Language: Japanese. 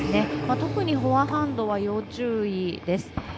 特にフォアハンドは要注意です。